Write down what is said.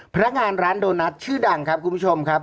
พนักงานร้านโดนัทชื่อดังครับคุณผู้ชมครับ